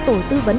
tổ tư vấn